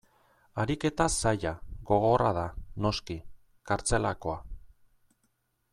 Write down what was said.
Ariketa zaila, gogorra da, noski, kartzelakoa.